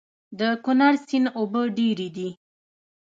د کونړ سيند اوبه ډېرې دي